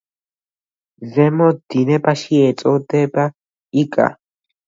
ზემო დინებაში ეწოდება იკა.